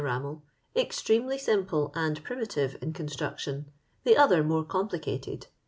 Rammell, " extremely sim ple and primitive in construction, the other more complicated.